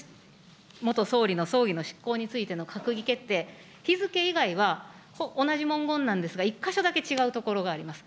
元総理の葬儀の執行についての閣議決定、日付以外は同じ文言なんですが、１か所だけ違うところがあります。